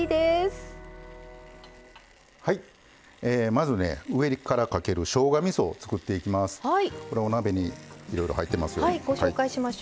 まず、上からかけるしょうがみそを作っていきます。